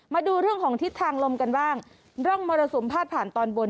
มาดูเรื่องของทิศทางลมกันบ้างร่องมรสุมพาดผ่านตอนบน